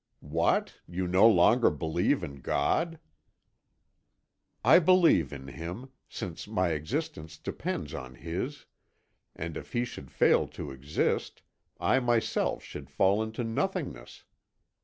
"What? You no longer believe in God?" "I believe in Him, since my existence depends on His, and if He should fail to exist, I myself should fall into nothingness.